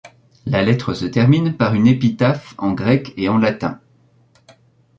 La lettre se termine par une épitaphe en grec et en latin.